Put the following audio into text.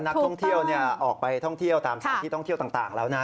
นักท่องเที่ยวออกไปท่องเที่ยวตามสถานที่ท่องเที่ยวต่างแล้วนะ